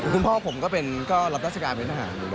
คุณพ่อผมก็รับราชการเป็นทหาร